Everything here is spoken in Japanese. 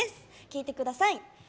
聴いてください。